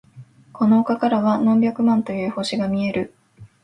この丘からは何百万という星が見える。